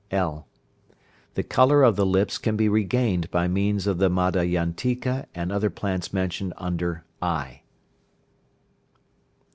(l). The colour of the lips can be regained by means of the madayantika and other plants mentioned above under (i).